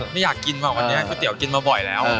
ไม่อยากกินป่ะวันนี้ก๋วเตี๋ยกินมาบ่อยแล้ว